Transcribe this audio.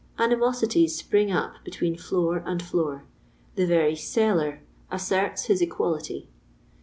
Animosities spring up betwaen floor and floor; the very celUr asseru his equality.